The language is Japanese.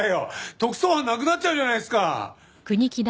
特捜班なくなっちゃうじゃないですか！